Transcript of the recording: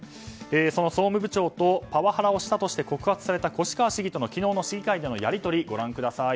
その総務部長とパワハラをしたとして告発された越川市議との昨日の市議会でのやり取りご覧ください。